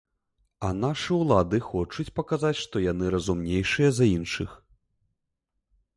А нашы ўлады хочуць паказаць, што яны разумнейшыя за іншых.